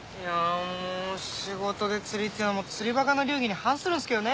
もう仕事で釣りっていうのは釣りバカの流儀に反するんですけどね